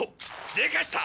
でかした！